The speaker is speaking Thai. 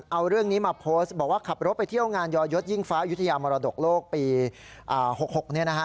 เอาเรื่องนี้มาโพสต์บอกว่าขับรถไปเที่ยวงานยอยศยิ่งฟ้ายุธยามรดกโลกปี๖๖เนี่ยนะฮะ